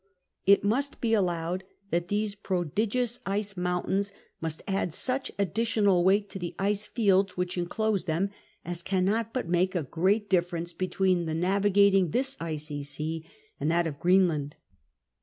It must be. allowed that these prodigious ice mountains must add such additional weight to the ice fields which enclose them us cannot but make a great differ ence between the navigating this icy sea and that of Green land.